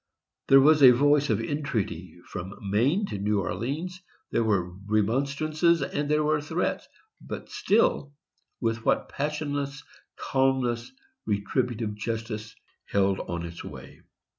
There was a voice of entreaty, from Maine to New Orleans. There were remonstrances, and there were threats; but still, with what passionless calmness retributive justice held on its way!